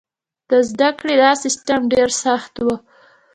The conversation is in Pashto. د زده کړې دا سیستم ډېر سخت و.